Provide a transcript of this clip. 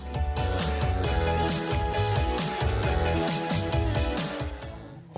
แฟรนชัยสร้างอาชีพเพื่อผู้มีรายได้น้อยของกระทรวงพาณิชย์